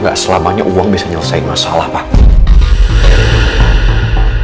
gak selamanya uang bisa nyelesai masalah papa